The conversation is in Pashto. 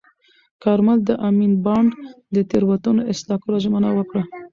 کارمل د امین بانډ د تېروتنو اصلاح کولو ژمنه وکړه.